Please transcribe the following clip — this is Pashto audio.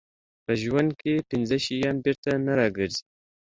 په ژوند کې پنځه شیان بېرته نه راګرځي.